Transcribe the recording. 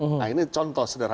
nah ini contoh sederhana